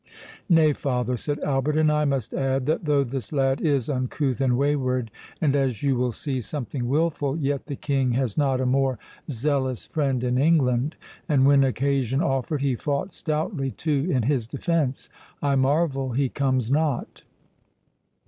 "Nay, father," said Albert, "and I must add, that though this lad is uncouth and wayward, and, as you will see, something wilful, yet the King has not a more zealous friend in England; and, when occasion offered, he fought stoutly, too, in his defence—I marvel he comes not."